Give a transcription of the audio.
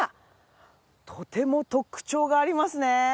とても特徴がありますね！